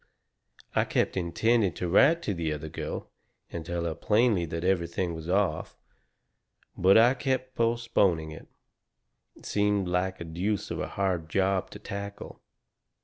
I kept intending to write to the other girl and tell her plainly that everything was off. But I kept postponing it. It seemed like a deuce of a hard job to tackle.